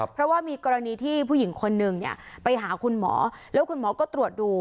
เพราะว่ามีกรณีที่ผู้หญิงคนนึงเนี่ยไปหาคุณหมอแล้วคุณหมอก็ตรวจดู